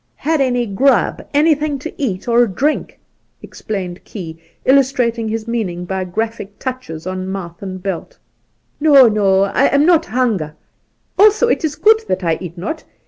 ' Had any grub — anything to eat or drink f explained Key, illustrating his meaning by graphic touches on mouth and belt. 'No, no; I am not hunger. Also it is good that I eat not.